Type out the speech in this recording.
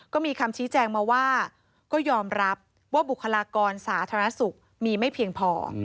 ก็มีคำชี้แจงมาว่าก็ยอมรับว่าบุคลากรสาธารณสุขมีไม่เพียงพอ